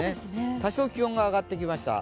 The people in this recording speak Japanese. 多少、気温が上がってきました。